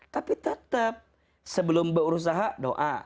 tapi tetap sebelum berusaha doa